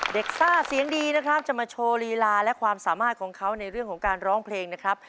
ซ่าเสียงดีนะครับจะมาโชว์ลีลาและความสามารถของเขาในเรื่องของการร้องเพลงนะครับ